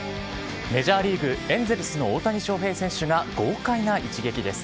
メジャーリーグ・エンゼルスの大谷翔平選手が、豪快な一撃です。